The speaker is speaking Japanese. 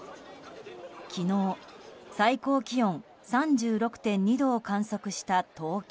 昨日、最高気温３６．２度を観測した東京。